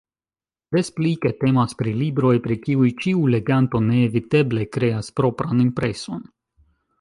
Des pli ke temas pri libroj, pri kiuj ĉiu leganto neeviteble kreas propran impreson.